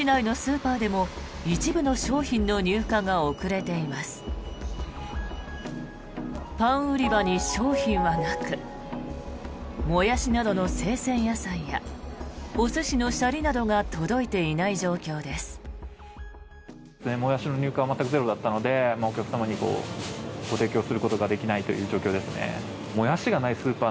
パン売り場に商品はなくモヤシなどの生鮮野菜やお寿司のシャリなどが届いていない状況です。